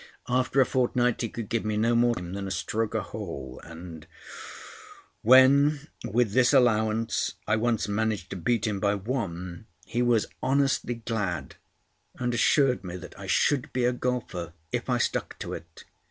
After a fortnight he could give me no more than a stroke a hole, and when, with this allowance, I once managed to beat him by one, he was honestly glad, and assured me that I should be a golfer if I stuck to it.